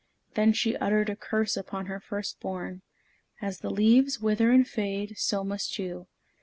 Then she uttered a curse upon her first born: "As the leaves wither and fade, so must you.